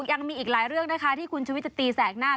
ยังมีอีกหลายเรื่องนะคะที่คุณชุวิตจะตีแสกหน้า